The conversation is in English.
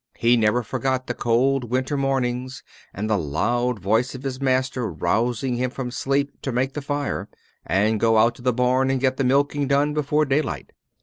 He never forgot the cold winter mornings, and the loud voice of his master rousing him from sleep to make the fire, and go out to the barn and get the milking done before daylight.